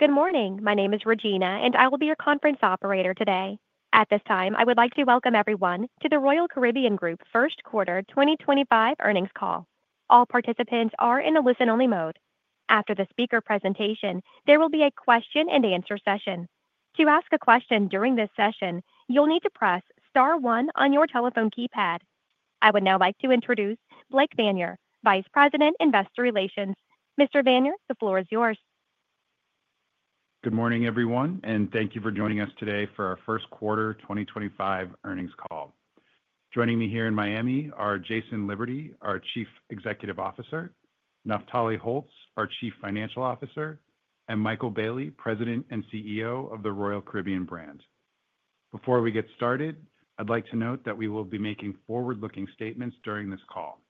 Good morning. My name is Regina, and I will be your conference operator today. At this time, I would like to welcome everyone to the Royal Caribbean Group Q1 2025 Earnings Call. All participants are in the listen-only mode. After the speaker presentation, there will be a question-and-answer session. To ask a question during this session, you'll need to press one on your telephone keypad. I would now like to introduce Blake Vanier, Vice President, Investor Relations. Mr. Vanier, the floor is yours. Good morning, everyone, and thank you for joining us today for our Q1 2025 Earnings Call. Joining me here in Miami are Jason Liberty, our Chief Executive Officer; Naftali Holtz, our Chief Financial Officer; and Michael Bayley, President and CEO of the Royal Caribbean brand. Before we get started, I'd like to note that we will be making forward-looking statements during this call.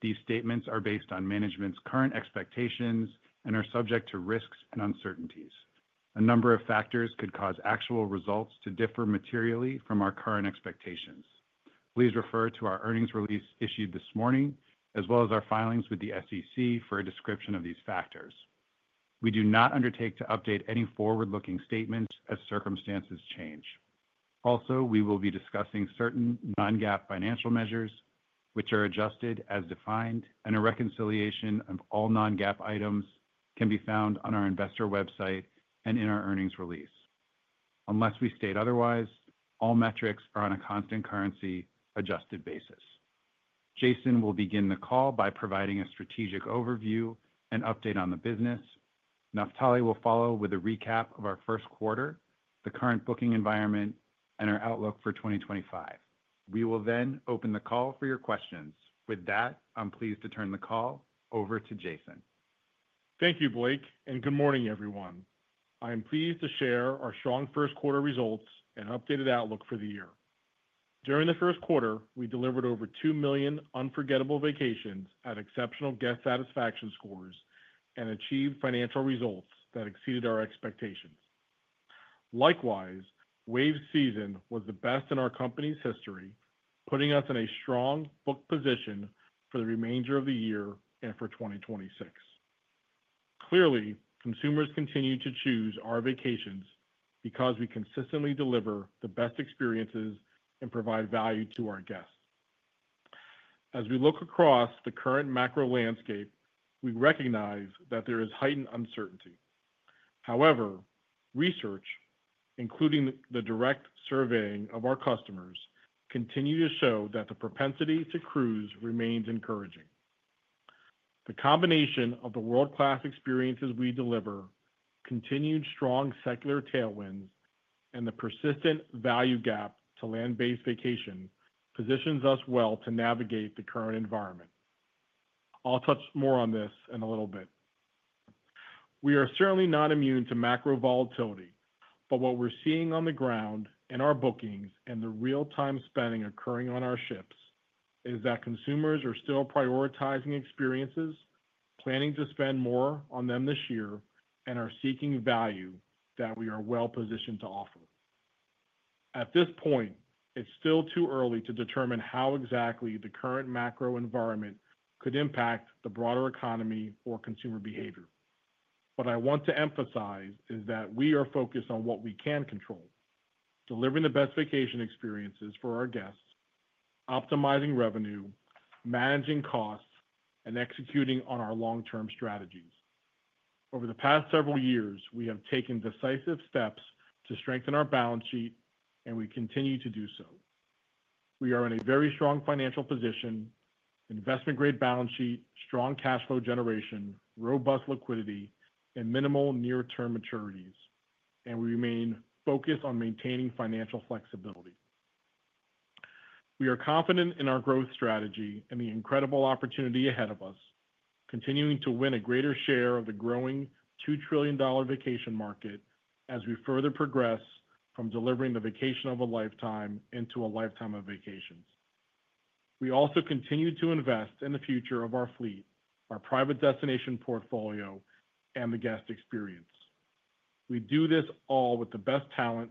These statements are based on management's current expectations and are subject to risks and uncertainties. A number of factors could cause actual results to differ materially from our current expectations. Please refer to our earnings release issued this morning, as well as our filings with the SEC for a description of these factors. We do not undertake to update any forward-looking statements as circumstances change. Also, we will be discussing certain non-GAAP financial measures, which are adjusted as defined, and a reconciliation of all non-GAAP items can be found on our investor website and in our earnings release. Unless we state otherwise, all metrics are on a constant currency-adjusted basis. Jason will begin the call by providing a strategic overview and update on the business. Naftali will follow with a recap of our Q1, the current booking environment, and our outlook for 2025. We will then open the call for your questions. With that, I'm pleased to turn the call over to Jason. Thank you, Blake, and good morning, everyone. I am pleased to share our strong Q1 results and updated outlook for the year. During the Q1, we delivered over 2 million unforgettable vacations at exceptional guest satisfaction scores and achieved financial results that exceeded our expectations. Likewise, wave season was the best in our company's history, putting us in a strong booked position for the remainder of the year and for 2026. Clearly, consumers continue to choose our vacations because we consistently deliver the best experiences and provide value to our guests. As we look across the current macro landscape, we recognize that there is heightened uncertainty. However, research, including the direct surveying of our customers, continues to show that the propensity to cruise remains encouraging. The combination of the world-class experiences we deliver, continued strong secular tailwinds, and the persistent value gap to land-based vacation positions us well to navigate the current environment. I'll touch more on this in a little bit. We are certainly not immune to macro volatility, but what we're seeing on the ground in our bookings and the real-time spending occurring on our ships is that consumers are still prioritizing experiences, planning to spend more on them this year, and are seeking value that we are well positioned to offer. At this point, it's still too early to determine how exactly the current macro environment could impact the broader economy or consumer behavior. What I want to emphasize is that we are focused on what we can control: delivering the best vacation experiences for our guests, optimizing revenue, managing costs, and executing on our long-term strategies. Over the past several years, we have taken decisive steps to strengthen our balance sheet, and we continue to do so. We are in a very strong financial position: investment-grade balance sheet, strong cash flow generation, robust liquidity, and minimal near-term maturities, and we remain focused on maintaining financial flexibility. We are confident in our growth strategy and the incredible opportunity ahead of us, continuing to win a greater share of the growing $2 trillion vacation market as we further progress from delivering the vacation of a lifetime into a lifetime of vacations. We also continue to invest in the future of our fleet, our private destination portfolio, and the guest experience. We do this all with the best talent,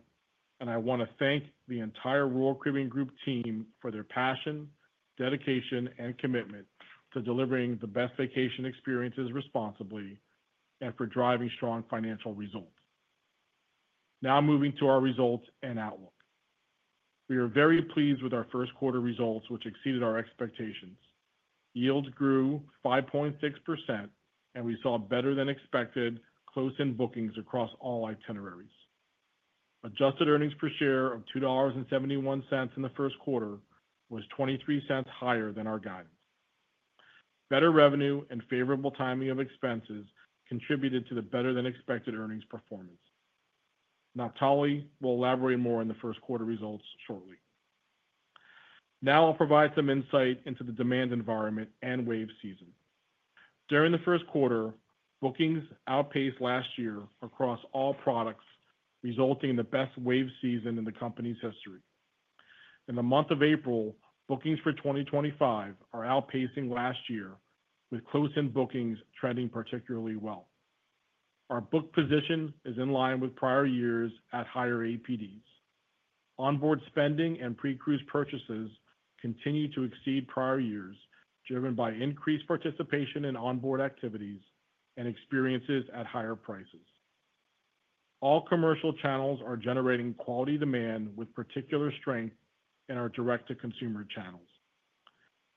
and I want to thank the entire Royal Caribbean Group team for their passion, dedication, and commitment to delivering the best vacation experiences responsibly and for driving strong financial results. Now, moving to our results and outlook. We are very pleased with our Q1 results, which exceeded our expectations. Yields grew 5.6%, and we saw better-than-expected close-in bookings across all itineraries. Adjusted earnings per share of $2.71 in the Q1 was $0.23 higher than our guidance. Better revenue and favorable timing of expenses contributed to the better-than-expected earnings performance. Naftali will elaborate more on the Q1 results shortly. Now, I'll provide some insight into the demand environment and wave season. During the Q1, bookings outpaced last year across all products, resulting in the best wave season in the company's history. In the month of April, bookings for 2025 are outpacing last year, with close-in bookings trending particularly well. Our book position is in line with prior years at higher APDs. Onboard spending and pre-cruise purchases continue to exceed prior years, driven by increased participation in onboard activities and experiences at higher prices. All commercial channels are generating quality demand with particular strength in our direct-to-consumer channels.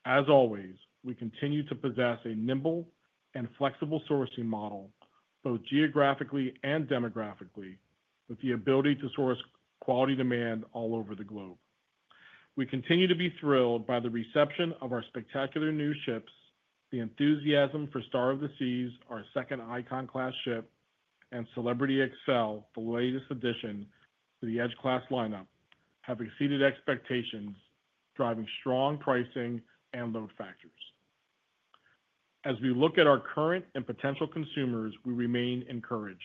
As always, we continue to possess a nimble and flexible sourcing model, both geographically and demographically, with the ability to source quality demand all over the globe. We continue to be thrilled by the reception of our spectacular new ships. The enthusiasm for Star of the Seas, our second Icon Class ship, and Celebrity Xcel, the latest addition to the Edge Class lineup, have exceeded expectations, driving strong pricing and load factors. As we look at our current and potential consumers, we remain encouraged.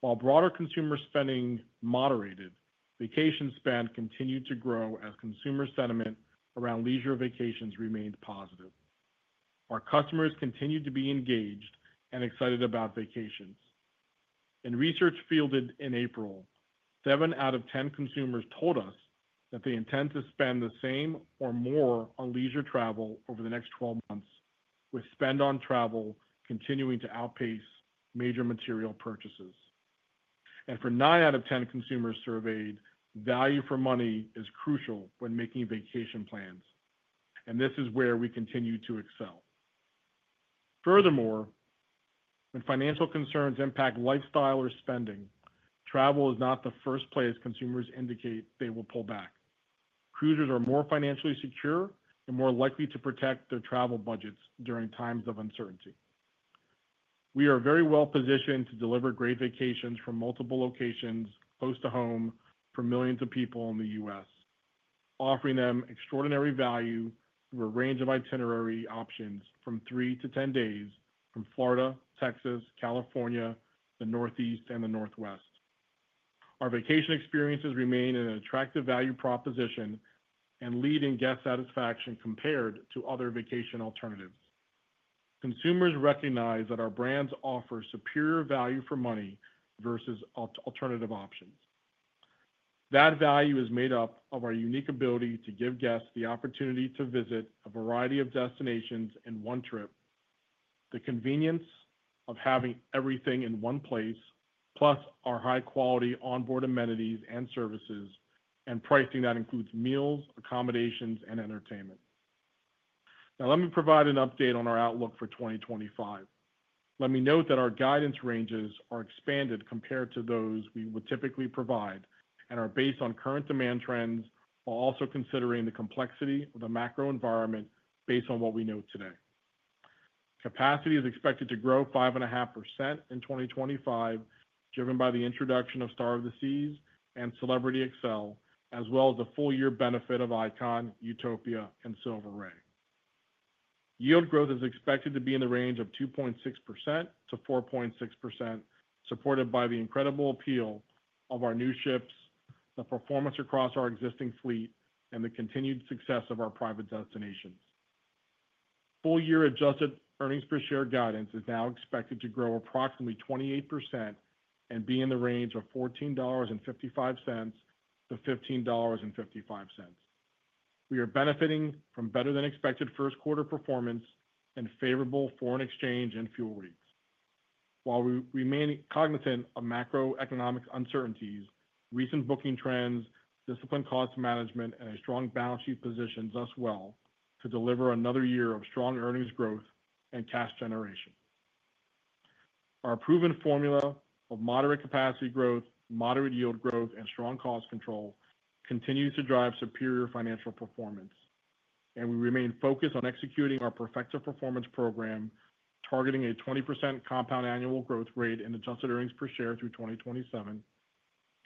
While broader consumer spending moderated, vacation spend continued to grow as consumer sentiment around leisure vacations remained positive. Our customers continue to be engaged and excited about vacations. In research fielded in April, 7 out of 10 consumers told us that they intend to spend the same or more on leisure travel over the next 12 months, with spend on travel continuing to outpace major material purchases. For 9 out of 10 consumers surveyed, value for money is crucial when making vacation plans, and this is where we continue to excel. Furthermore, when financial concerns impact lifestyle or spending, travel is not the first place consumers indicate they will pull back. Cruisers are more financially secure and more likely to protect their travel budgets during times of uncertainty. We are very well positioned to deliver great vacations from multiple locations close to home for millions of people in the US, offering them extraordinary value through a range of itinerary options from 3 to 10 days from Florida, Texas, California, the Northeast, and the Northwest. Our vacation experiences remain in an attractive value proposition and lead in guest satisfaction compared to other vacation alternatives. Consumers recognize that our brands offer superior value for money versus alternative options. That value is made up of our unique ability to give guests the opportunity to visit a variety of destinations in one trip, the convenience of having everything in one place, plus our high-quality onboard amenities and services, and pricing that includes meals, accommodations, and entertainment. Now, let me provide an update on our outlook for 2025. Let me note that our guidance ranges are expanded compared to those we would typically provide and are based on current demand trends, while also considering the complexity of the macro environment based on what we know today. Capacity is expected to grow 5.5% in 2025, driven by the introduction of Star of the Seas and Celebrity Xcel, as well as the full-year benefit of Icon, Utopia, and Silver Ray. Yield growth is expected to be in the range of 2.6% to 4.6%, supported by the incredible appeal of our new ships, the performance across our existing fleet, and the continued success of our private destinations. Full-year adjusted earnings per share guidance is now expected to grow approximately 28% and be in the range of $14.55-$15.55. We are benefiting from better-than-expected Q1 performance and favourable foreign exchange and fuel rates. While we remain cognizant of macroeconomic uncertainties, recent booking trends, disciplined cost management, and a strong balance sheet position us well to deliver another year of strong earnings growth and cash generation. Our proven formula of moderate capacity growth, moderate yield growth, and strong cost control continues to drive superior financial performance, and we remain focused on executing our Perfecta Performance Program, targeting a 20% compound annual growth rate in adjusted earnings per share through 2027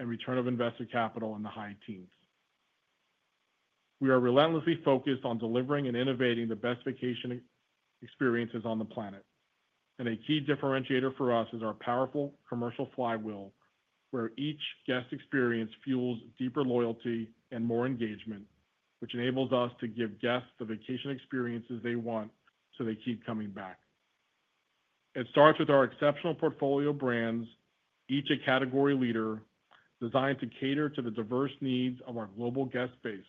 and Return on Invested Capital in the high teens. We are relentlessly focused on delivering and innovating the best vacation experiences on the planet, and a key differentiator for us is our powerful commercial flywheel, where each guest experience fuels deeper loyalty and more engagement, which enables us to give guests the vacation experiences they want so they keep coming back. It starts with our exceptional portfolio brands, each a category leader, designed to cater to the diverse needs of our global guest base.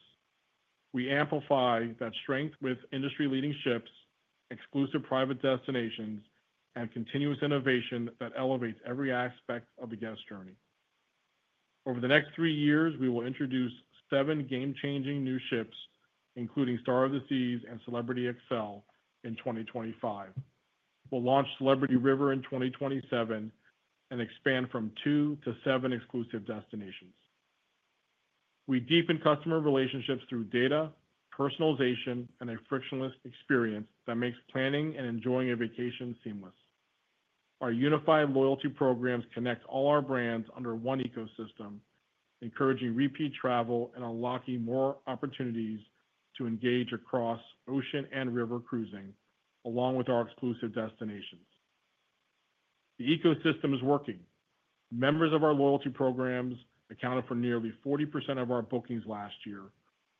We amplify that strength with industry-leading ships, exclusive private destinations, and continuous innovation that elevates every aspect of the guest journey. Over the next three years, we will introduce seven game-changing new ships, including Star of the Seas and Celebrity Xcel, in 2025. We'll launch Celebrity River in 2027 and expand from two to seven exclusive destinations. We deepen customer relationships through data, personalization, and a frictionless experience that makes planning and enjoying a vacation seamless. Our unified loyalty programs connect all our brands under one ecosystem, encouraging repeat travel and unlocking more opportunities to engage across ocean and river cruising, along with our exclusive destinations. The ecosystem is working. Members of our loyalty programs accounted for nearly 40% of our bookings last year,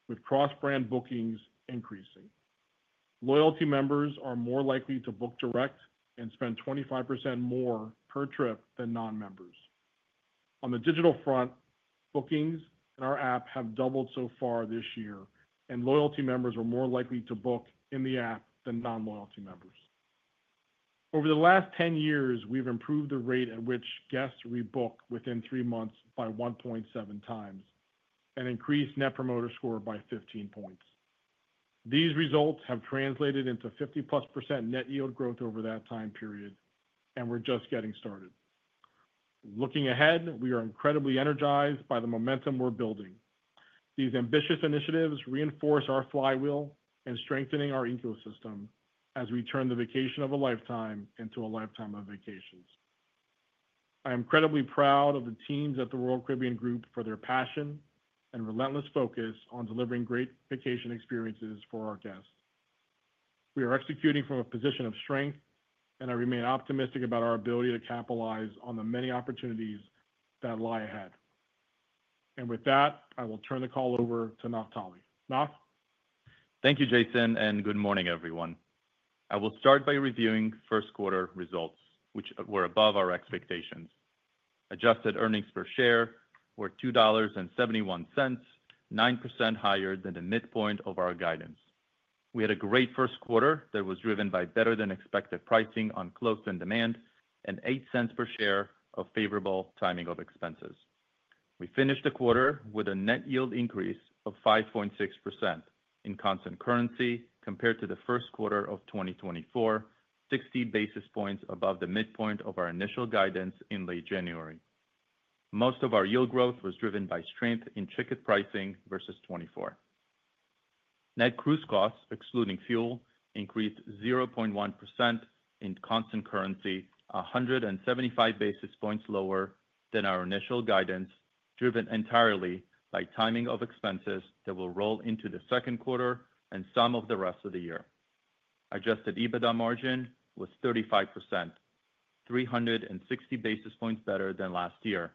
with cross-brand bookings increasing. Loyalty members are more likely to book direct and spend 25% more per trip than non-members. On the digital front, bookings in our app have doubled so far this year, and loyalty members are more likely to book in the app than non-loyalty members. Over the last 10 years, we've improved the rate at which guests rebook within three months by 1.7 times and increased net promoter score by 15 points. These results have translated into 50+% net yield growth over that time period, and we're just getting started. Looking ahead, we are incredibly energized by the momentum we're building. These ambitious initiatives reinforce our flywheel and strengthen our ecosystem as we turn the vacation of a lifetime into a lifetime of vacations. I am incredibly proud of the teams at the Royal Caribbean Group for their passion and relentless focus on delivering great vacation experiences for our guests. We are executing from a position of strength, and I remain optimistic about our ability to capitalize on the many opportunities that lie ahead. With that, I will turn the call over to Naftali. Naf? Thank you, Jason, and good morning, everyone. I will start by reviewing Q1 results, which were above our expectations. Adjusted earnings per share were $2.71, 9% higher than the midpoint of our guidance. We had a great Q1 that was driven by better-than-expected pricing on close-in demand and $0.08 per share of favorable timing of expenses. We finished the quarter with a net yield increase of 5.6% in constant currency compared to the Q1 of 2024, 60 basis points above the midpoint of our initial guidance in late January. Most of our yield growth was driven by strength in ticket pricing versus 2024. Net cruise costs, excluding fuel, increased 0.1% in constant currency, 175 basis points lower than our initial guidance, driven entirely by timing of expenses that will roll into the Q2 and some of the rest of the year. Adjusted EBITDA margin was 35%, 360 basis points better than last year,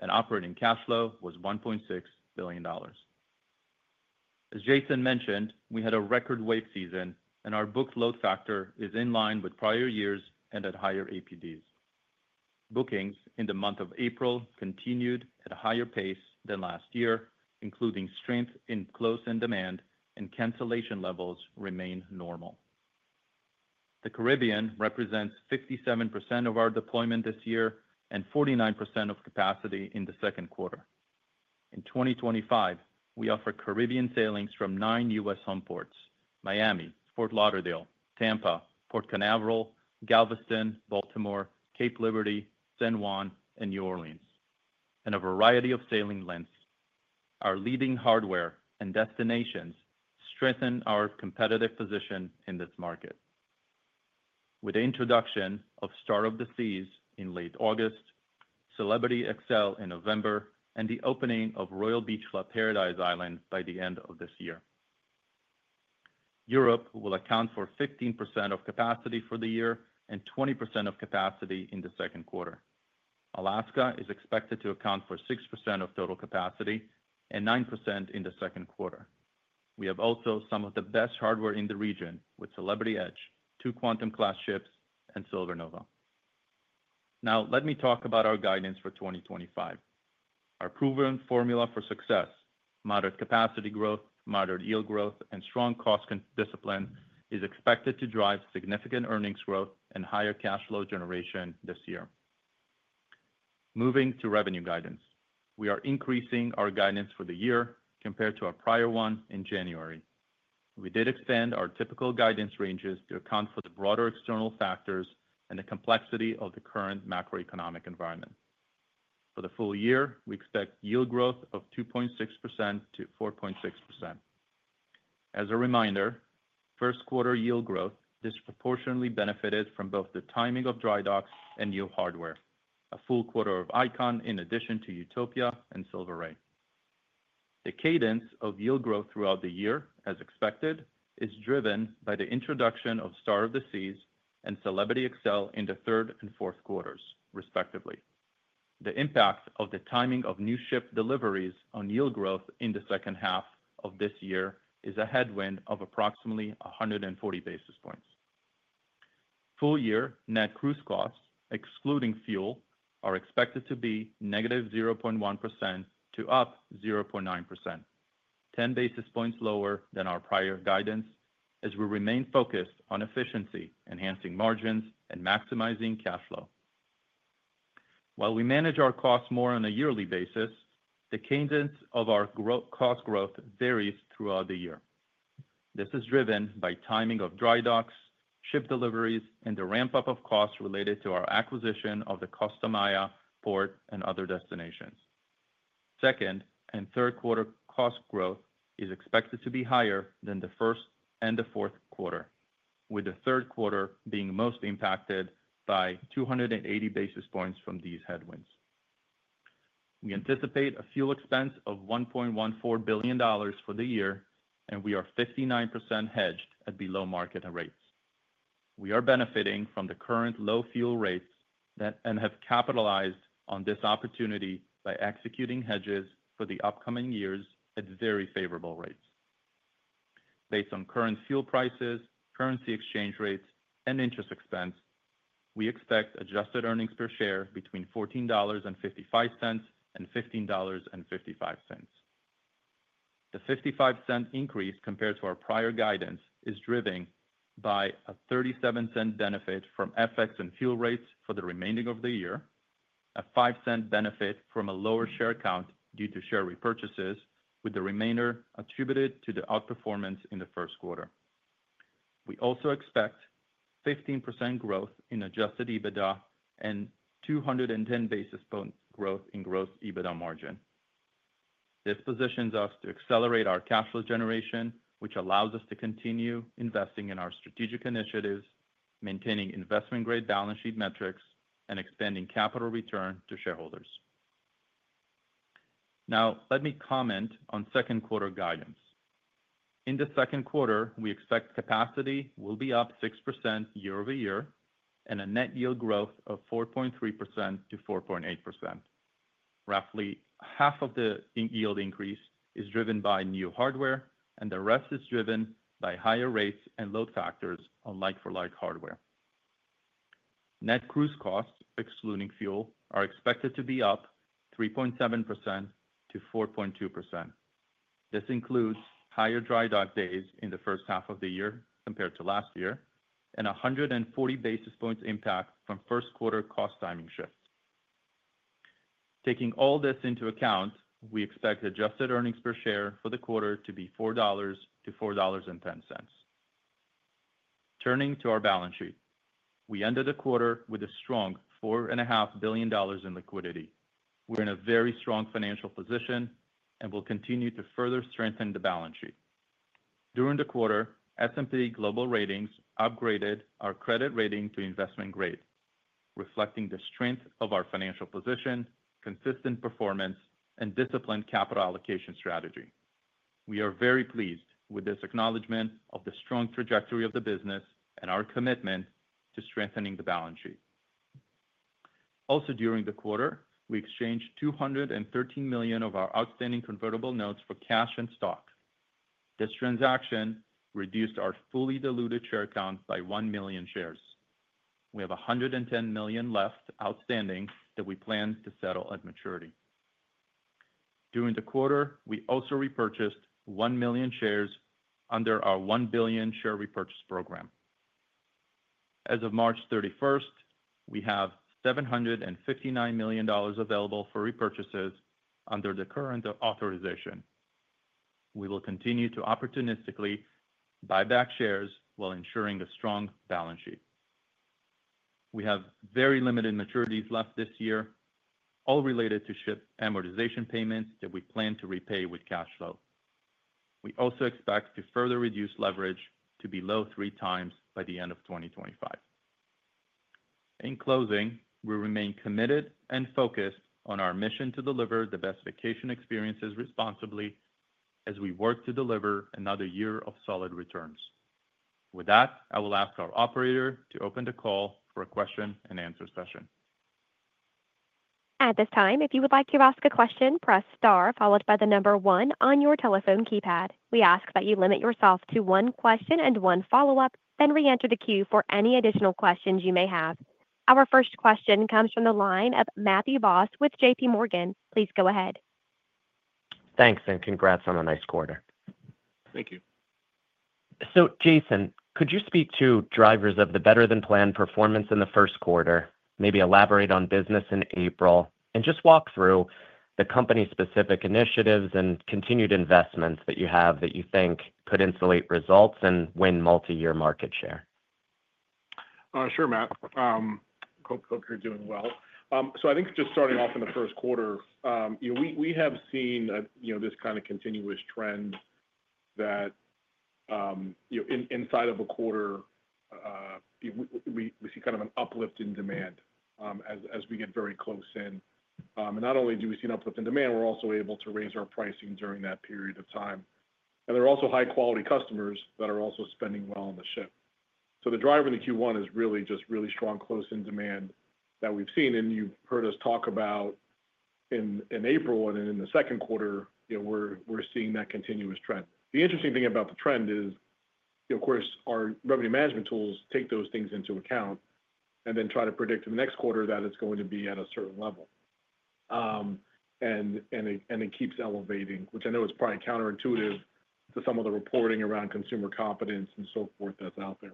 and operating cash flow was $1.6 billion. As Jason mentioned, we had a record wave season, and our booked load factor is in line with prior years and at higher APDs. Bookings in the month of April continued at a higher pace than last year, including strength in close-in demand, and cancellation levels remain normal. The Caribbean represents 57% of our deployment this year and 49% of capacity in the Q2. In 2025, we offer Caribbean sailings from nine US Home Ports: Miami, Fort Lauderdale, Tampa, Port Canaveral, Galveston, Baltimore, Cape Liberty, San Juan, and New Orleans, and a variety of sailing lengths. Our leading hardware and destinations strengthen our competitive position in this market. With the introduction of Star of the Seas in late August, Celebrity Xcel in November, and the opening of Royal Beach Club Paradise Island by the end of this year, Europe will account for 15% of capacity for the year and 20% of capacity in the Q2. Alaska is expected to account for 6% of total capacity and 9% in the Q2. We have also some of the best hardware in the region with Celebrity Edge, two Quantum-class ships, and Silver Nova. Now, let me talk about our guidance for 2025. Our proven formula for success, moderate capacity growth, moderate yield growth, and strong cost discipline is expected to drive significant earnings growth and higher cash flow generation this year. Moving to revenue guidance, we are increasing our guidance for the year compared to our prior one in January. We did expand our typical guidance ranges to account for the broader external factors and the complexity of the current macroeconomic environment. For the full year, we expect yield growth of 2.6% to 4.6%. As a reminder, Q1 yield growth disproportionately benefited from both the timing of dry docks and new hardware, a full quarter of Icon in addition to Utopia and Silver Ray. The cadence of yield growth throughout the year, as expected, is driven by the introduction of Star of the Seas and Celebrity Xcel in the third and, respectively. The impact of the timing of new ship deliveries on yield growth in the second half of this year is a headwind of approximately 140 basis points. Full-year net cruise costs, excluding fuel, are expected to be negative 0.1% to up 0.9%, 10 basis points lower than our prior guidance, as we remain focused on efficiency, enhancing margins, and maximizing cash flow. While we manage our costs more on a yearly basis, the cadence of our cost growth varies throughout the year. This is driven by timing of dry docks, ship deliveries, and the ramp-up of costs related to our acquisition of the Costa Maya Port and other destinations. Second and Q3 cost growth is expected to be higher than the first and the, with the Q3 being most impacted by 280 basis points from these headwinds. We anticipate a fuel expense of $1.14 billion for the year, and we are 59% hedged at below market rates. We are benefiting from the current low fuel rates and have capitalized on this opportunity by executing hedges for the upcoming years at very favorable rates. Based on current fuel prices, currency exchange rates, and interest expense, we expect adjusted earnings per share between $14.55 and $15.55. The $0.55 increase compared to our prior guidance is driven by a $0.37 benefit from FX and fuel rates for the remaining of the year, a $0.05 benefit from a lower share count due to share repurchases, with the remainder attributed to the outperformance in the Q1. We also expect 15% growth in Adjusted EBITDA and 210 basis points growth in gross EBITDA margin. This positions us to accelerate our cash flow generation, which allows us to continue investing in our strategic initiatives, maintaining investment-grade balance sheet metrics, and expanding capital return to shareholders. Now, let me comment on Q2 guidance. In the Q2, we expect capacity will be up 6% year-over-year and a net yield growth of 4.3% to 4.8%. Roughly half of the yield increase is driven by new hardware, and the rest is driven by higher rates and load factors on like-for-like hardware. Net cruise costs, excluding fuel, are expected to be up 3.7% to 4.2%. This includes higher dry dock days in the first half of the year compared to last year and 140 basis points impact from Q1 cost timing shifts. Taking all this into account, we expect adjusted earnings per share for the quarter to be $4.00-4.10. Turning to our balance sheet, we ended the quarter with a strong $4.5 billion in liquidity. We're in a very strong financial position and will continue to further strengthen the balance sheet. During the quarter, S&P Global Ratings upgraded our credit rating to investment grade, reflecting the strength of our financial position, consistent performance, and disciplined capital allocation strategy. We are very pleased with this acknowledgment of the strong trajectory of the business and our commitment to strengthening the balance sheet. Also, during the quarter, we exchanged $213 million of our outstanding convertible notes for cash and stock. This transaction reduced our fully diluted share count by 1 million shares. We have $110 million left outstanding that we plan to settle at maturity. During the quarter, we also repurchased 1 million shares under our $1 billion share repurchase program. As of March 31, we have $759 million available for repurchases under the current authorization. We will continue to opportunistically buy back shares while ensuring a strong balance sheet. We have very limited maturities left this year, all related to ship amortization payments that we plan to repay with cash flow. We also expect to further reduce leverage to below three times by the end of 2025. In closing, we remain committed and focused on our mission to deliver the best vacation experiences responsibly as we work to deliver another year of solid returns. With that, I will ask our operator to open the call for a question and answer session. At this time, if you would like to ask a question, press star followed by the number one on your telephone keypad. We ask that you limit yourself to one question and one follow-up, then re-enter the queue for any additional questions you may have. Our first question comes from the line of Matthew Boss with JPMorgan. Please go ahead. Thanks, and congrats on a nice quarter. [Thank you]. Jason, could you speak to drivers of the better-than-planned performance in the Q1, maybe elaborate on business in April, and just walk through the company-specific initiatives and continued investments that you have that you think could insulate results and win multi-year market share? Sure, Matt. Hope you're doing well. I think just starting off in the Q1, we have seen this kind of continuous trend that inside of a quarter, we see kind of an uplift in demand as we get very close in. Not only do we see an uplift in demand, we're also able to raise our pricing during that period of time. There are also high-quality customers that are also spending well on the ship. The driver in the Q1 is really just really strong close-in demand that we've seen, and you've heard us talk about in April and in the Q2, we're seeing that continuous trend. The interesting thing about the trend is, of course, our revenue management tools take those things into account and then try to predict in the next quarter that it's going to be at a certain level. It keeps elevating, which I know is probably counterintuitive to some of the reporting around consumer confidence and so forth that's out there.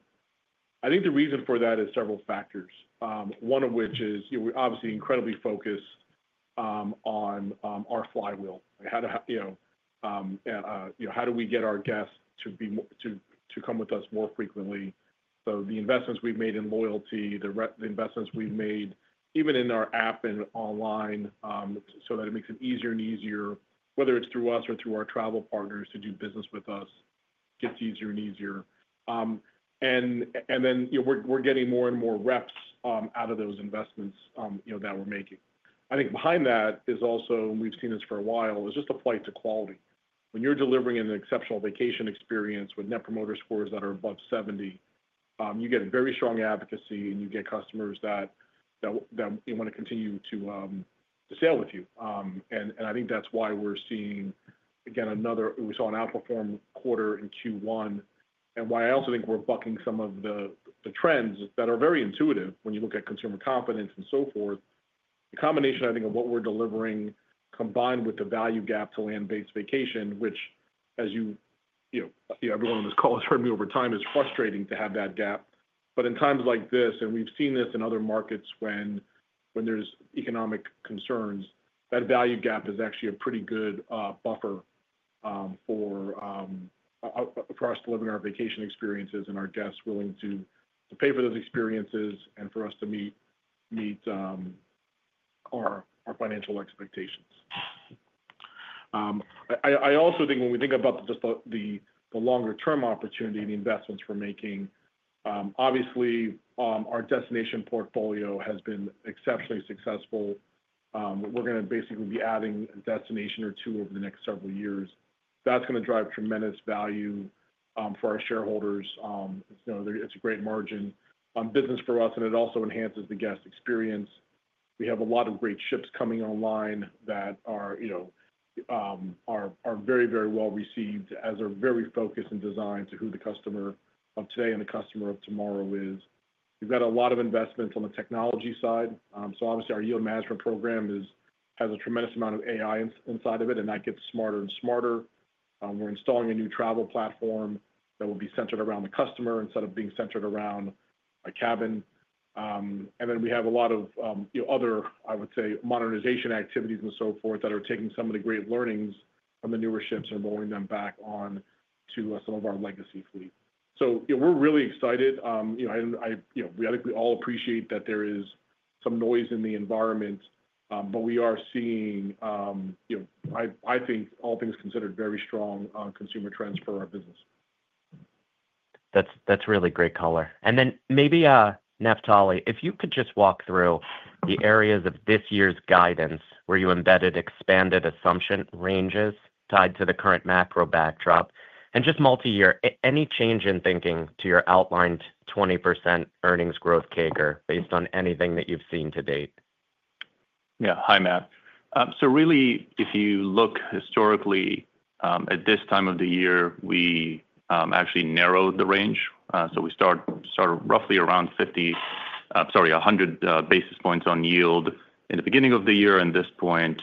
I think the reason for that is several factors, one of which is we're obviously incredibly focused on our flywheel. How do we get our guests to come with us more frequently? The investments we've made in loyalty, the investments we've made even in our app and online so that it makes it easier and easier, whether it's through us or through our travel partners to do business with us, gets easier and easier. We're getting more and more reps out of those investments that we're making. I think behind that is also, and we've seen this for a while, just a flight to quality. When you're delivering an exceptional vacation experience with Net Promoter Scores that are above 70, you get very strong advocacy and you get customers that want to continue to sail with you. I think that's why we're seeing, again, another we saw an outperform quarter in Q1. I also think we're bucking some of the trends that are very intuitive when you look at consumer confidence and so forth. The combination, I think, of what we're delivering combined with the value gap to land-based vacation, which, as everyone on this call has heard me over time, is frustrating to have that gap. In times like this, and we've seen this in other markets when there's economic concerns, that value gap is actually a pretty good buffer for us delivering our vacation experiences and our guests willing to pay for those experiences and for us to meet our financial expectations. I also think when we think about just the longer-term opportunity, the investments we're making, obviously, our destination portfolio has been exceptionally successful. We're going to basically be adding a destination or two over the next several years. That's going to drive tremendous value for our shareholders. It's a great margin on business for us, and it also enhances the guest experience. We have a lot of great ships coming online that are very, very well received as they're very focused and designed to who the customer of today and the customer of tomorrow is. We've got a lot of investments on the technology side. Obviously, our yield management program has a tremendous amount of AI inside of it, and that gets smarter and smarter. We're installing a new travel platform that will be centered around the customer instead of being centered around a cabin. We have a lot of other, I would say, modernization activities and so forth that are taking some of the great learnings from the newer ships and rolling them back on to some of our legacy fleet. We're really excited. I think we all appreciate that there is some noise in the environment, but we are seeing, I think, all things considered, very strong consumer trends for our business. That's really great color. Maybe, Naftali, if you could just walk through the areas of this year's guidance where you embedded expanded assumption ranges tied to the current macro backdrop. Just multi-year, any change in thinking to your outlined 20% earnings growth CAGR based on anything that you've seen to date? Yeah. Hi, Matt. Really, if you look historically at this time of the year, we actually narrowed the range. We started roughly around 50, sorry, 100 basis points on yield in the beginning of the year. At this point,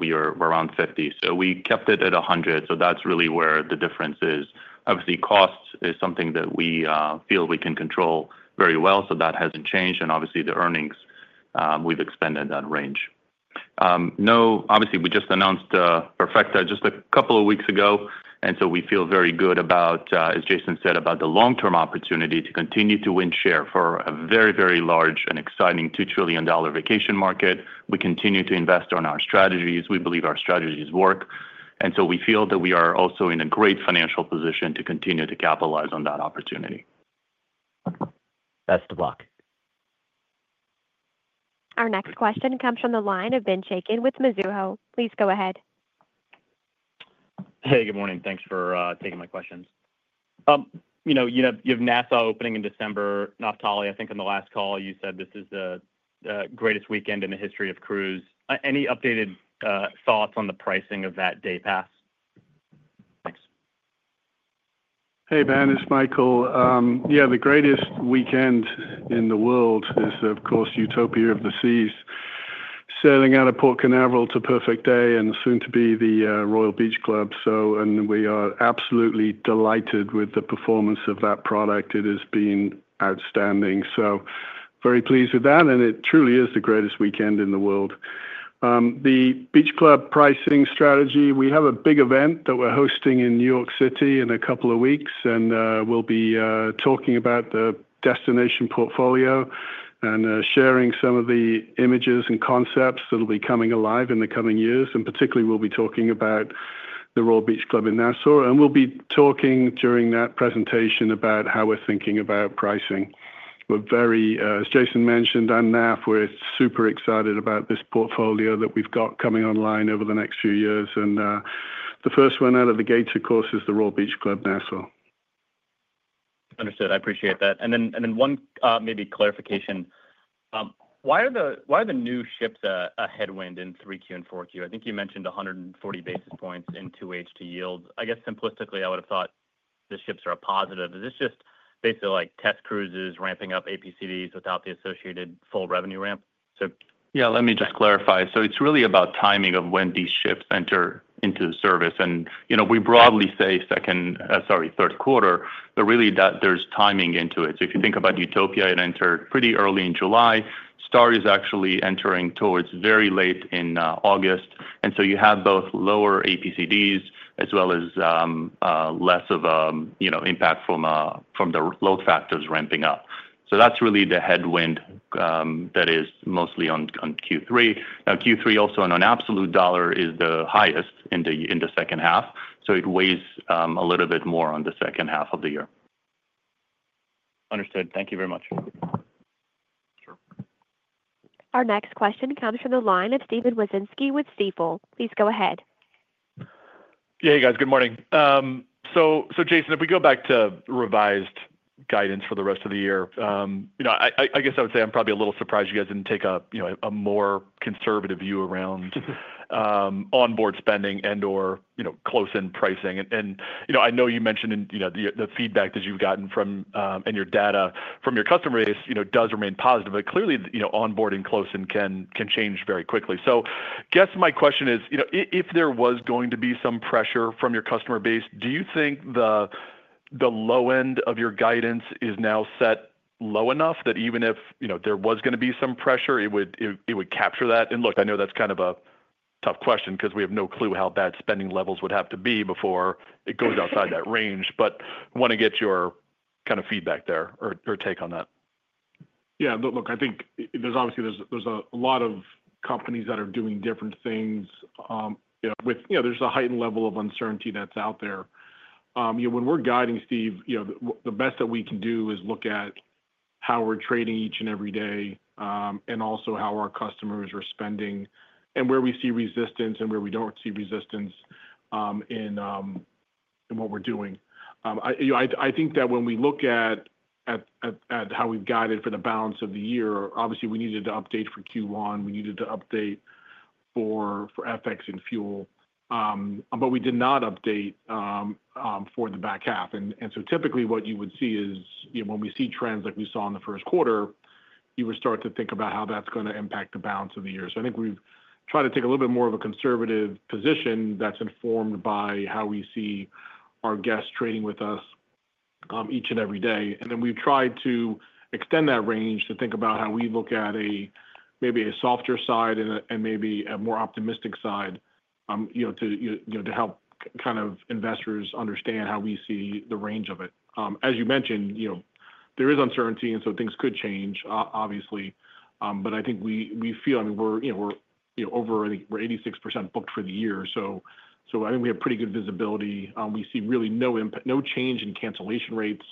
we were around 50. We kept it at 100. That's really where the difference is. Obviously, cost is something that we feel we can control very well, so that has not changed. Obviously, the earnings, we have expanded that range. Obviously, we just announced Perfecta at just a couple of weeks ago. We feel very good about, as Jason said, the long-term opportunity to continue to win share for a very, very large and exciting $2 trillion vacation market. We continue to invest on our strategies. We believe our strategies work. We feel that we are also in a great financial position to continue to capitalize on that opportunity. Best of luck. Our next question comes from the line of Benjamin Chaiken with Mizuho. Please go ahead. Hey, good morning. Thanks for taking my questions. You have Nassau opening in December. Naftali, I think on the last call, you said this is the greatest weekend in the history of cruise. Any updated thoughts on the pricing of that day pass? Thanks. Hey, Ben, it's Michael. Yeah, the greatest weekend in the world is, of course, Utopia of the Seas. Sailing out of Port Canaveral to Perfect Day and soon to be the Royal Beach Club. We are absolutely delighted with the performance of that product. It has been outstanding. Very pleased with that, and it truly is the greatest weekend in the world. The Beach Club pricing strategy, we have a big event that we're hosting in New York City in a couple of weeks, and we'll be talking about the destination portfolio and sharing some of the images and concepts that will be coming alive in the coming years. Particularly, we'll be talking about the Royal Beach Club in Nassau. We'll be talking during that presentation about how we're thinking about pricing. As Jason mentioned, I'm now super excited about this portfolio that we've got coming online over the next few years. The first one out of the gates, of course, is the Royal Beach Club Nassau. Understood. I appreciate that. One maybe clarification. Why are the new ships a headwind in 3Q and 4Q? I think you mentioned 140 basis points in 2H to yield. I guess simplistically, I would have thought the ships are a positive. Is this just basically like test cruises, ramping up APCDs without the associated full revenue ramp? Yeah, let me just clarify. It's really about timing of when these ships enter into the service. We broadly say Q3, but really there's timing into it. If you think about Utopia, it entered pretty early in July. Star is actually entering towards very late in August. You have both lower APCDs as well as less of an impact from the load factors ramping up. That is really the headwind that is mostly on Q3. Q3 also on an absolute dollar is the highest in the second half. It weighs a little bit more on the second half of the year. Understood. Thank you very much. Sure. Our next question comes from the line of Steven Wieczynski with Stifel. Please go ahead Yeah, hey guys, good morning. Jason, if we go back to revised guidance for the rest of the year, I guess I would say I'm probably a little surprised you guys didn't take a more conservative view around onboard spending and/or close-in pricing. I know you mentioned the feedback that you've gotten from and your data from your customer base does remain positive, but clearly onboarding close-in can change very quickly. I guess my question is, if there was going to be some pressure from your customer base, do you think the low end of your guidance is now set low enough that even if there was going to be some pressure, it would capture that? I know that's kind of a tough question because we have no clue how bad spending levels would have to be before it goes outside that range. I want to get your kind of feedback there or take on that. Yeah. I think there's obviously a lot of companies that are doing different things. There's a heightened level of uncertainty that's out there. When we're guiding, Steve, the best that we can do is look at how we're trading each and every day and also how our customers are spending and where we see resistance and where we don't see resistance in what we're doing. I think that when we look at how we've guided for the balance of the year, obviously, we needed to update for Q1. We needed to update for FX and fuel, but we did not update for the back half. Typically, what you would see is when we see trends like we saw in the Q1, you would start to think about how that's going to impact the balance of the year. I think we've tried to take a little bit more of a conservative position that's informed by how we see our guests trading with us each and every day. We have tried to extend that range to think about how we look at maybe a softer side and maybe a more optimistic side to help kind of investors understand how we see the range of it. As you mentioned, there is uncertainty, and things could change, obviously. I think we feel, I mean, we are over, I think we are 86% booked for the year. I think we have pretty good visibility. We see really no change in cancellation rates.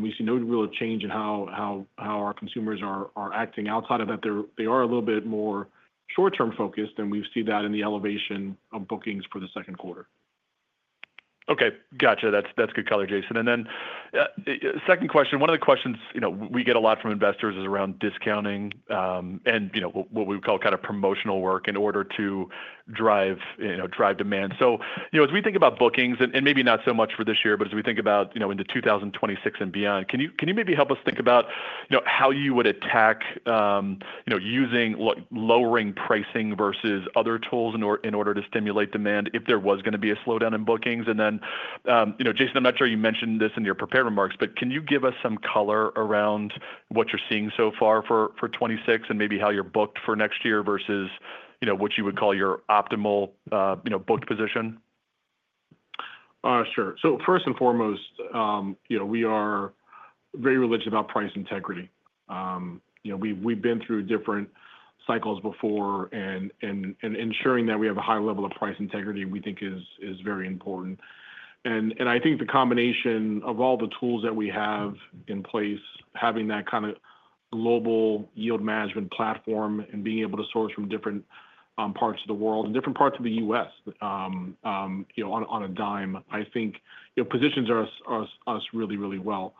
We see no real change in how our consumers are acting. Outside of that, they are a little bit more short-term focused, and we see that in the elevation of bookings for the Q2. Okay. Gotcha. That is good color, Jason. Second question, one of the questions we get a lot from investors is around discounting and what we would call kind of promotional work in order to drive demand. As we think about bookings, and maybe not so much for this year, but as we think about into 2026 and beyond, can you maybe help us think about how you would attack using lowering pricing versus other tools in order to stimulate demand if there was going to be a slowdown in bookings? Jason, I'm not sure you mentioned this in your prepared remarks, but can you give us some color around what you're seeing so far for 2026 and maybe how you're booked for next year versus what you would call your optimal booked position? Sure. First and foremost, we are very religious about price integrity. We've been through different cycles before, and ensuring that we have a high level of price integrity, we think, is very important. I think the combination of all the tools that we have in place, having that kind of global yield management platform and being able to source from different parts of the world and different parts of the US on a dime, I think positions us really, really well.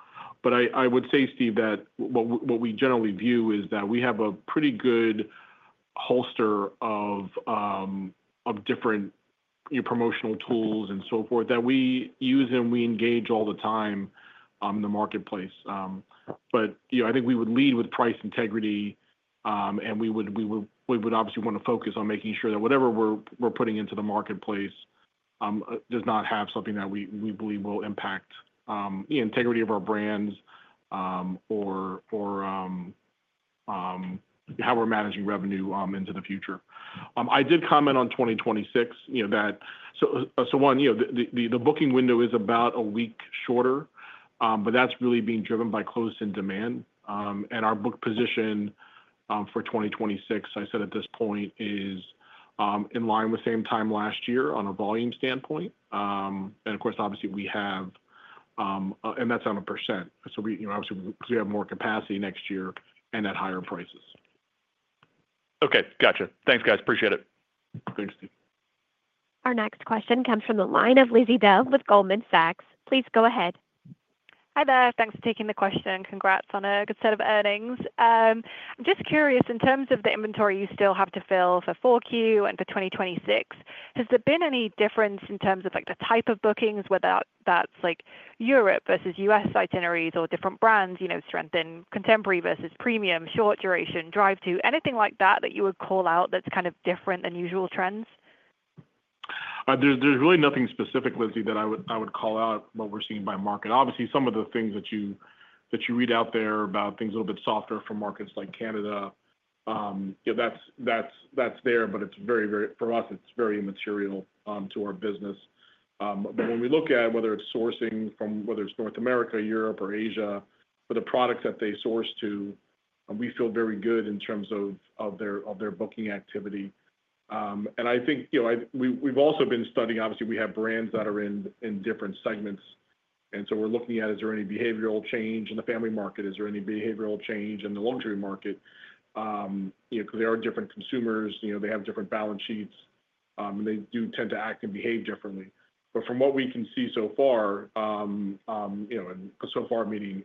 I would say, Steve, that what we generally view is that we have a pretty good holster of different promotional tools and so forth that we use and we engage all the time in the marketplace. I think we would lead with price integrity, and we would obviously want to focus on making sure that whatever we're putting into the marketplace does not have something that we believe will impact the integrity of our brands or how we're managing revenue into the future. I did comment on 2026 that, so one, the booking window is about a week shorter, but that's really being driven by close-in demand. Our book position for 2026, I said at this point, is in line with same time last year on a volume standpoint. Of course, obviously, we have, and that's on a percent. Obviously, we have more capacity next year and at higher prices. Okay. Gotcha. Thanks, guys. Appreciate it. Thanks, Steve. Our next question comes from the line of Lizzie Dove with Goldman Sachs. Please go ahead. Hi there. Thanks for taking the question. Congrats on a good set of earnings. I'm just curious, in terms of the inventory you still have to fill for Q4 and for 2026, has there been any difference in terms of the type of bookings, whether that's Europe versus US itineraries or different brands, strength in contemporary versus premium, short duration, drive-to, anything like that that you would call out that's kind of different than usual trends? There's really nothing specific, Lizzie, that I would call out what we're seeing by market. Obviously, some of the things that you read out there about things a little bit softer for markets like Canada, that's there, but for us, it's very immaterial to our business. When we look at whether it's sourcing from whether it's North America, Europe, or Asia, for the products that they source to, we feel very good in terms of their booking activity. I think we've also been studying, obviously, we have brands that are in different segments. We are looking at, is there any behavioral change in the family market? Is there any behavioral change in the luxury market? Because there are different consumers. They have different balance sheets, and they do tend to act and behave differently. From what we can see so far, and so far meaning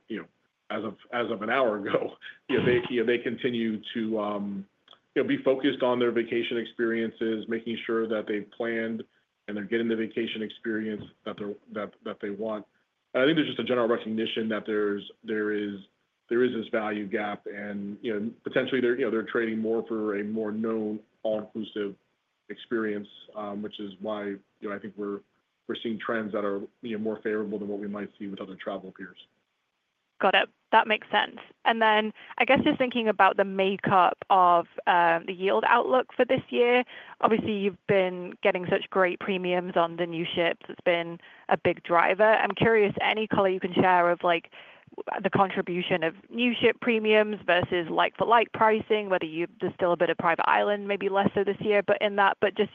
as of an hour ago, they continue to be focused on their vacation experiences, making sure that they've planned and they're getting the vacation experience that they want. I think there's just a general recognition that there is this value gap, and potentially, they're trading more for a more known all-inclusive experience, which is why I think we're seeing trends that are more favorable than what we might see with other travel peers. Got it. That makes sense. I guess just thinking about the makeup of the yield outlook for this year, obviously, you've been getting such great premiums on the new ships. It's been a big driver. I'm curious, any color you can share of the contribution of new ship premiums versus like-for-like pricing, whether there's still a bit of private island, maybe lesser this year, but in that, but just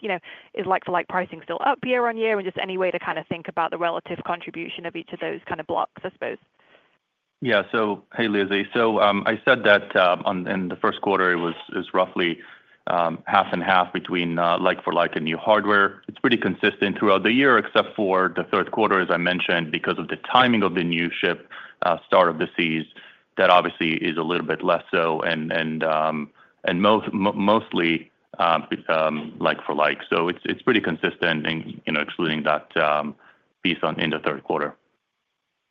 is like-for-like pricing still up year on year? And just any way to kind of think about the relative contribution of each of those kind of blocks, I suppose. Yeah. Hey, Lizzie. I said that in the Q1, it was roughly half and half between like-for-like and new hardware. It's pretty consistent throughout the year, except for the Q3, as I mentioned, because of the timing of the new ship Star of the Seas, that obviously is a little bit less so and mostly like-for-like. It's pretty consistent, excluding that piece in the Q3.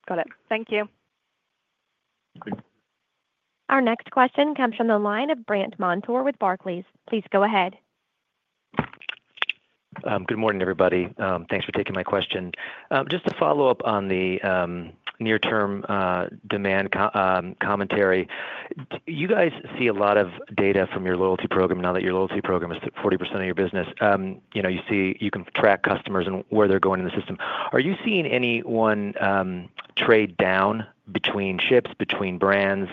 Got it. Thank you. Our next question comes from the line of Brandt Montour with Barclays. Please go ahead. Good morning, everybody. Thanks for taking my question. Just to follow up on the near-term demand commentary, you guys see a lot of data from your loyalty program now that your loyalty program is 40% of your business. You can track customers and where they're going in the system. Are you seeing anyone trade down between ships, between brands,